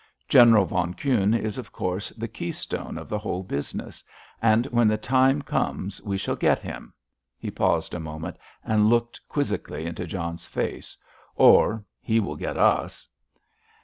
General von Kuhne is, of course, the keystone of the whole business, and when the time comes we shall get him——" he paused a moment, and looked quizzically into John's face—"or he will get us!"